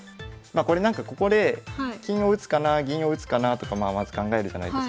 これなんかここで金を打つかな銀を打つかなとかまあまず考えるじゃないですか。